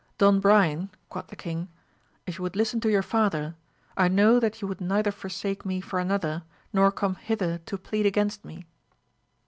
Don Brian, quoth the king, if you would listen to your father I know that you would neither forsake me for another, nor come hither to plead against me.